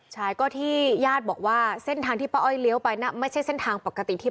ใช่ก็ที่ญาติบอกว่าเส้นทางที่ป้าอ้อยเลี้ยวไปนะไม่ใช่เส้นทางปกติที่ป้าอ้อยเลี้ยวไปนะ